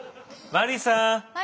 マリーさん！